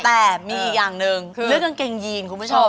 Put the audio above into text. แต่มีอีกอย่างหนึ่งคือเรื่องกางเกงยีนคุณผู้ชม